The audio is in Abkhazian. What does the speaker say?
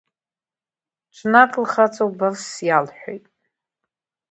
Ҽнак лхаҵа убыс иалҳәеит…